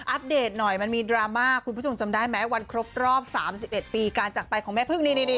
เดตหน่อยมันมีดราม่าคุณผู้ชมจำได้ไหมวันครบรอบ๓๑ปีการจักรไปของแม่พึ่งนี่